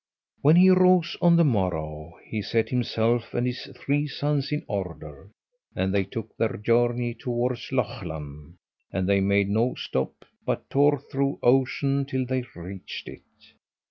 When he rose on the morrow, he set himself and his three sons in order, and they took their journey towards Lochlann, and they made no stop but tore through ocean till they reached it.